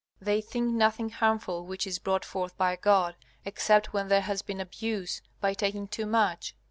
They think nothing harmful which is brought forth by God, except when there has been abuse by taking too much.